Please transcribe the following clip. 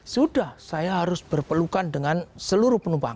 sudah saya harus berpelukan dengan seluruh penumpang